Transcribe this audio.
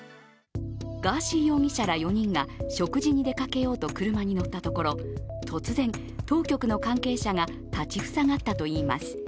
ガーシー容疑者ら４人が食事に出かけようと車に乗ったところ突然、当局の関係者が立ち塞がったといいます。